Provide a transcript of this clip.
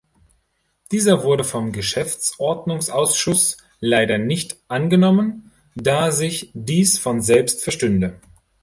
Dieser wurde vom Geschäftsordnungsausschuss leider nicht angenommen, da sich dies von selbst verstünde.